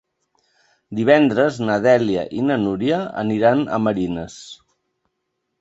Divendres na Dèlia i na Núria aniran a Marines.